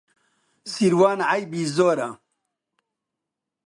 سیروان عەیبی زۆرە.